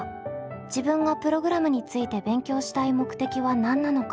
自分がプログラムについて勉強したい目的は何なのか。